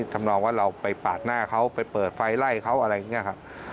ทำนองว่าเราไปปาดหน้าเขาไปเปิดไฟไล่เขาอะไรอย่างนี้ครับ